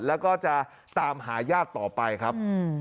แล้วก็จะตามหาญาติต่อไปครับ